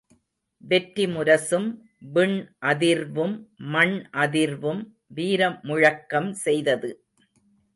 வெற்றிமுரசும் விண் அதிரவும் மண் அதிரவும் வீர முழக்கம் செய்தது!